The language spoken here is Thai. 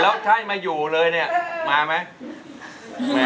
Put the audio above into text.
แล้วถ้ามาอยู่เลยเนี่ยมาไหม